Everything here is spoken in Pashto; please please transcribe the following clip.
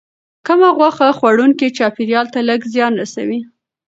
کم غوښه خوړونکي چاپیریال ته لږ زیان رسوي.